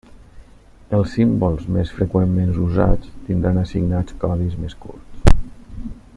Els símbols més freqüentment usats tindran assignats codis més curts.